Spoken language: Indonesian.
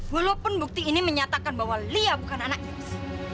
walaupun bukti ini menyatakan bahwa lia bukan anak inggris